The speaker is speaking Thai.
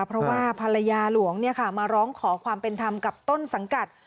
เพราะว่าภรรยาหลวงมาร้องขอความเป็นธรรมกับต้นสังกัด